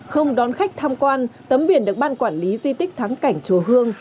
không đón khách tham quan tấm biển được ban quản lý di tích thắng cảnh chùa hương